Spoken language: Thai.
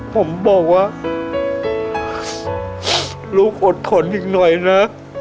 ผมบอกว่าลูกอดทนอีกหน่อยนะ